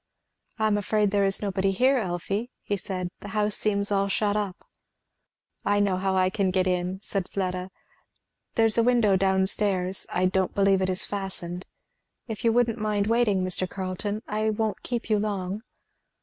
"I am afraid there is nobody here, Elfie," he said; "the house seems all shut up." "I know how I can get in," said Fleda, "there's a window down stairs I don't believe it is fastened, if you wouldn't mind waiting, Mr. Carleton, I won't keep you long?"